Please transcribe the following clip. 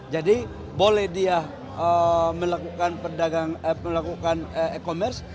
jadi boleh dia melakukan e commerce